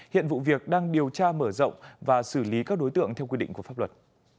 hiện vụ việc đang điều tra mở rộng và xử lý các đối tượng theo quy định của pháp luật